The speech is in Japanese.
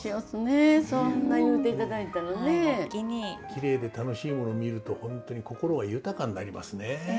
きれいで楽しいもの見ると本当に心が豊かになりますね。